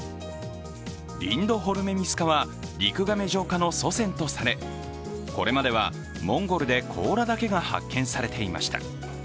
リンドホルメミス科はリクガメ上科の祖先とされ、これまではモンゴルで甲羅だけが発見されていました。